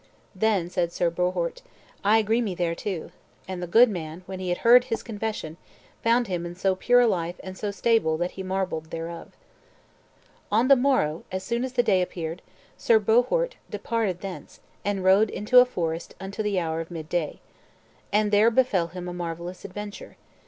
Then said Sir Bohort, "I agree me thereto" And the good man when he had heard his confession found him in so pure a life and so stable that he marvelled thereof. On the morrow, as soon as the day appeared, Sir Bohort departed thence, and rode into a forest unto the hour of midday. And there befell him a marvellous adventure.